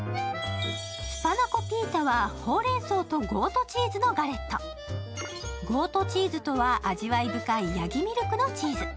スパナコピータはほうれんそうとゴートチーズのガレット、ゴートチーズとは味わい深いやぎミルクのチーズ。